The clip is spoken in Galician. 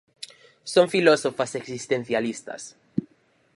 Son filósofas existencialistas.